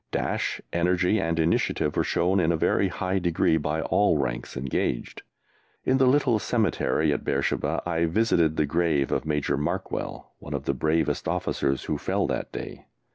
Dash, energy, and initiative were shown in a very high degree by all ranks engaged. In the little cemetery at Beersheba I visited the grave of Major Markwell, one of the bravest officers who fell that day.